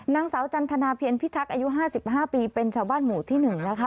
นางสาวจันทนาเพียรพิทักษ์อายุ๕๕ปีเป็นชาวบ้านหมู่ที่๑นะคะ